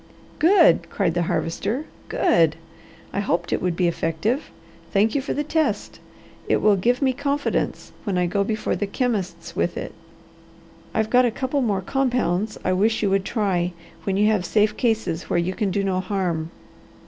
"Good!" cried the Harvester. "Good! I hoped it would be effective. Thank you for the test. It will give me confidence when I go before the chemists with it. I've got a couple more compounds I wish you would try when you have safe cases where you can do no harm."